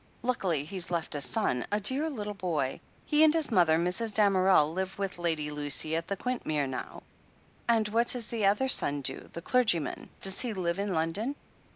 Luckily he's left a son — 3. dear little boy. He and his mother, Mrs. Damerel, live with Lady Lucy at Quintmere now." "And what does the other son do — ^the clergyman? Does he live in London